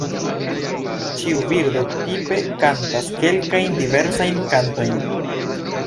Ĉiu birdo tipe kantas kelkajn diversajn kantojn.